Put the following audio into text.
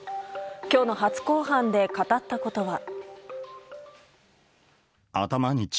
今日の初公判で語ったことは。